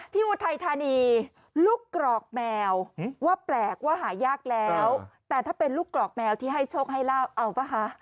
อุทัยธานีลูกกรอกแมวว่าแปลกว่าหายากแล้วแต่ถ้าเป็นลูกกรอกแมวที่ให้โชคให้ลาบเอาป่ะคะ